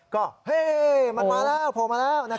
ก็เฮ้ยมันมาแล้วโผล่มาแล้ว